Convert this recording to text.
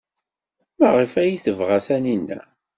Maɣef ay t-tebɣa Taninna?